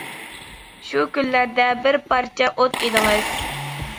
شۇ كۈنلەردە بىر پارچە ئوت ئىدىڭىز.